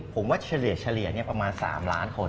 ผมว่าเฉลี่ยประมาณ๓ล้านคน